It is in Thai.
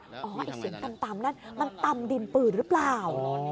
ไอ้เสียงต่ำนั่นมันตำดินปืนหรือเปล่า